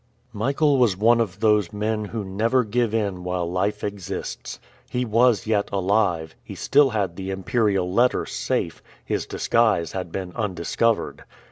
Michael was one of those men who never give in while life exists. He was yet alive; he still had the imperial letter safe; his disguise had been undiscovered.